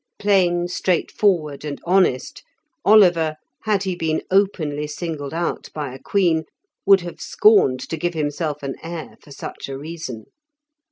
Plain, straightforward, and honest, Oliver, had he been openly singled out by a queen, would have scorned to give himself an air for such a reason.